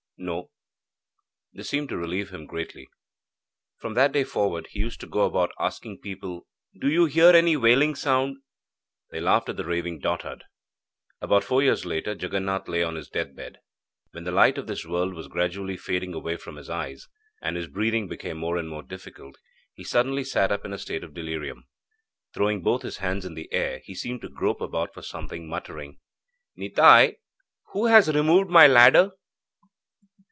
'No.' This seemed to relieve him greatly. From that day forward, he used to go about asking people: 'Do you hear any wailing sound?' They laughed at the raving dotard. About four years later, Jaganath lay on his death bed. When the light of this world was gradually fading away from his eyes, and his breathing became more and more difficult, he suddenly sat up in a state of delirium. Throwing both his hands in the air he seemed to grope about for something, muttering: 'Nitai, who has removed my ladder?'